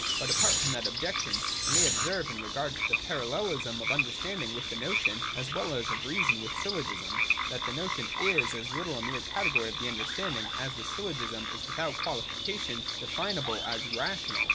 But apart from that objection, we may observe in regard to the parallelism of understanding with the notion, as well as of reason with syllogism, that the notion is as little a mere category of the understanding as the syllogism is without qualification definable as rational.